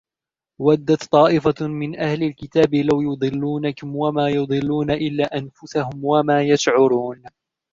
ودت طائفة من أهل الكتاب لو يضلونكم وما يضلون إلا أنفسهم وما يشعرون